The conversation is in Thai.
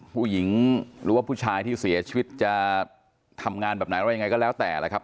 ผู้หญิงหรือว่าผู้ชายที่เสียชีวิตจะทำงานแบบไหนอะไรยังไงก็แล้วแต่แหละครับ